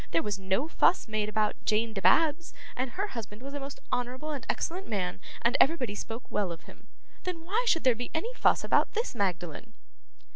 There was no fuss made about Jane Dibabs, and her husband was a most honourable and excellent man, and everybody spoke well of him. Then why should there by any fuss about this Magdalen?